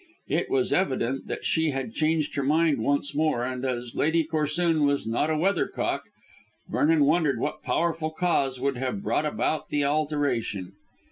It was evident that she had changed her mind once more, and as Lady Corsoon was not a weathercock, Vernon wondered what powerful cause could have brought about the alteration.